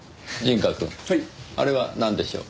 あれはなんでしょう？